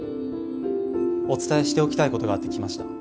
お伝えしておきたいことがあって来ました。